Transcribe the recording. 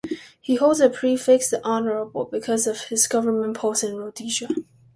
He holds the prefix "The Honourable" because of his government posts in Rhodesia.